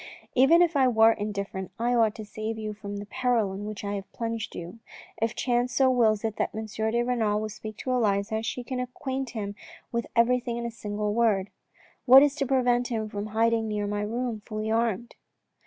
" Even if I were indifferent I ought to save you from the peril in which I have plunged you. If chance so wills it that M. de Renal should speak to Elisa, she can acquaint him with everything in a single word. What is to prevent him from hiding near my room fully armed